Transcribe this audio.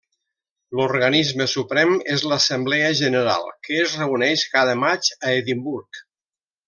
L'organisme suprem és l'Assemblea General, que es reuneix cada maig a Edimburg.